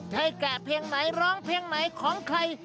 ให้แก่เพลงไหนร้องเพลงไหนของใคร